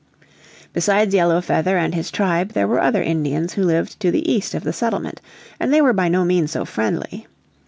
Besides Yellow Feather and his tribe there were other Indians who lived to the east of the settlement, and they were by no means so friendly.